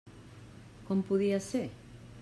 Com podia ser?